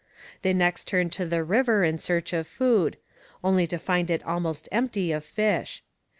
They next turned to the river in search of food, only to find it almost empty of fish.